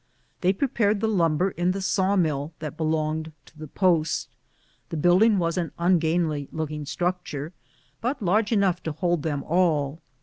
They prepared the lumber in the saw mill that belonged to the post. The building was an ungainly looking structure, but large enough to hold them all.